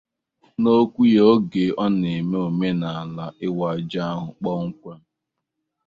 N'okwu ya oge ọ na-eme omenala ịwa ji ahụ kpọmkwem